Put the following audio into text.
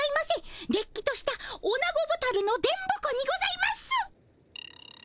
れっきとしたオナゴボタルの電ボ子にございます。